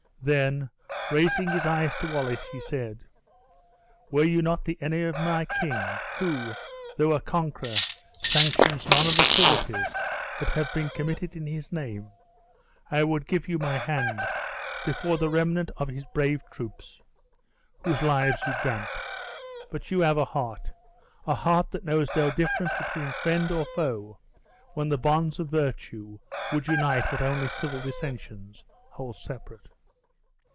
Then raising his eyes to Wallace, he said: "Were you not the enemy of my king, who, though a conqueror, sanctions none of the cruelties that have been committed in his name, I would give you my hand, before the remnant of his brave troops, whose lives you grant. But you have my heart: a heart that knows no difference between friend or foe, when the bonds of virtue would unite what only civil dissensions hold separate."